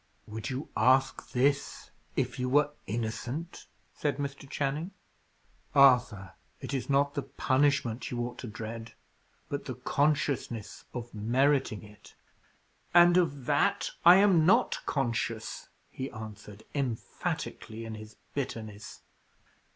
"Would you ask this if you were innocent?" said Mr. Channing. "Arthur, it is not the punishment you ought to dread, but the consciousness of meriting it." "And of that I am not conscious," he answered, emphatically, in his bitterness.